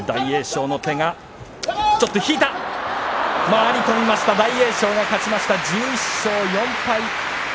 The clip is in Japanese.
回り込みました大栄翔が勝ちました、１１勝４敗。